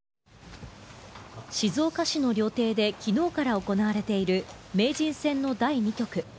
静岡市の料亭で昨日から行われている名人戦の第２局。